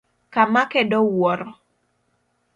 Kamake do wuoro.